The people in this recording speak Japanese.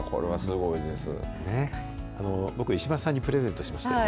僕、石橋さんにプレゼントしましたけど。